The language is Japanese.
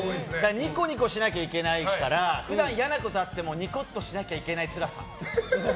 ニコニコしなきゃいけないから普段嫌なことあってもニコッとしなきゃいけないつらさ。